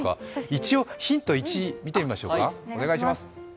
一応、ヒント１、見てみましょうか。